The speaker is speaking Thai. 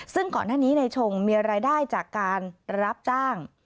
ซึ่งก่อนหน้านี้ในชงมีรายได้จากการรับจ้าง